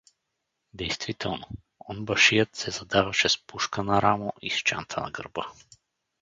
Действително, онбашият се задаваше с пушка на рамо и с чанта на гърба.